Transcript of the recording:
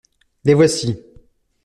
Les voici !